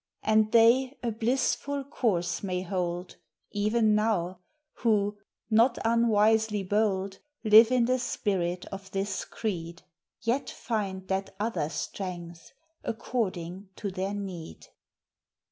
And they a blissful course may hold Even now, who, not unwisely bold, Live in the spirit of this creed; Yet find that other strength, according to their need.